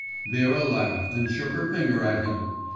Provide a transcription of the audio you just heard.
Vera laughed and shook her finger at him.